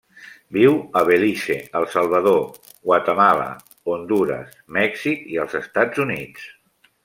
Viu a Belize, El Salvador, Guatemala, Hondures, Mèxic i els Estats Units.